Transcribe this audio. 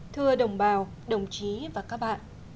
thưa đồng bào đồng chí và các bạn